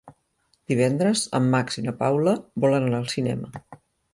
Divendres en Max i na Paula volen anar al cinema.